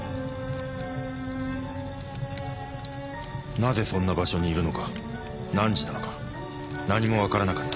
なぜそんな場所にいるのか何時なのか何もわからなかった。